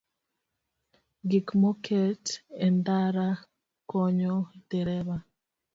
Gik moket e ndara konyo dereba